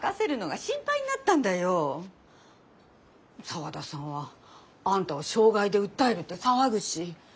沢田さんはあんたを傷害で訴えるって騒ぐし。